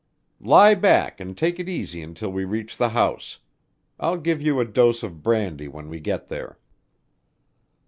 "Lie back and take it easy until we reach the house. I'll give you a dose of brandy when we get there."